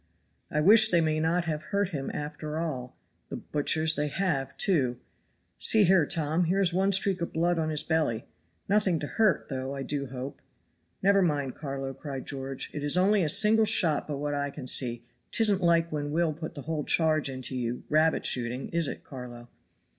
"I wish they may not have hurt him after all, the butchers; they have, too. See here, Tom, here is one streak of blood on his belly, nothing to hurt, though, I do hope. Never mind, Carlo," cried George, "it is only a single shot by what I can see, 'tisn't like when Will put the whole charge into you, rabbit shooting, is it, Carlo?